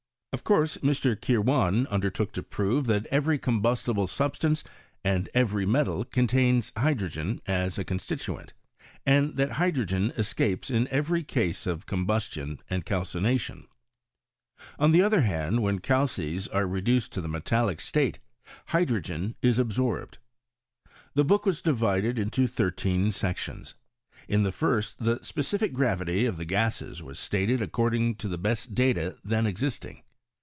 Of course Mr. Kirwan undertcx>k Id prove that every combustible substance and every I I 138 niSTORY OF caEMisntir: ~ metal contains hydrogen as a constituent, and that hydrogen escapes in every case of combustion and calcination. On the other hand, when calces are re duced to the metallic state hydrogen is absorbed. The book was divided into thirteen sections. In the first the speci^c gravity of the gases was stated ac< cording to the best data then existing.